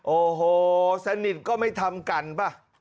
โอ้โหสนิทก็ไม่ทำกันป่ะ